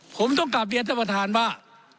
ผมต้องกลับเรียนท่านประธานว่า